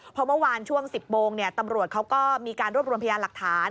เพราะเมื่อวานช่วง๑๐โมงตำรวจเขาก็มีการรวบรวมพยานหลักฐาน